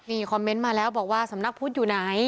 นี่คอมเมนต์มาแล้วบอกว่าสำนักพุทธอยู่ไหน